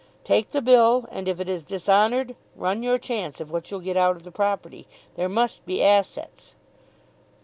Take the bill; and if it is dishonoured run your chance of what you'll get out of the property. There must be assets."